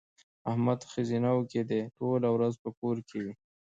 احمد ښځنوکی دی؛ ټوله ورځ په کور کې وي.